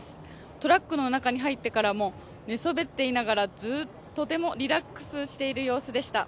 トラックの中に入ってからも寝そべっていながらずっととてもリラックスしている様子でした。